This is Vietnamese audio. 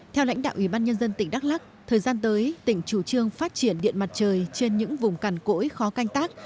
theo lãnh đạo ủy ban nhân dân tỉnh đắk lắc thời gian tới tỉnh chủ trương phát triển điện mặt trời trên những vùng cằn cỗi khó canh tác